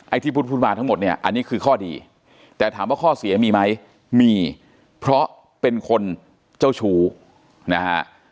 ที่พูดมาทั้งหมดเนี่ยอันนี้คือข้อดีแต่ถามว่าข้อเสียมีไหมมีเพราะเป็นคนเจ้าชู้นะฮะ